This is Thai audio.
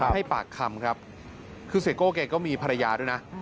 ให้ปากคำครับคือเสียโก้แกก็มีภรรยาด้วยนะ